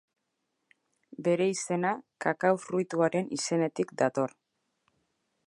Bere izena Kakao fruituaren izenetik dator.